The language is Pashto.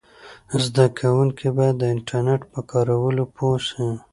زده کوونکي باید د انټرنیټ په کارولو پوه سي.